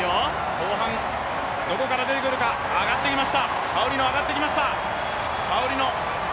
後半どこから出てくるか、パウリノ上がってきました。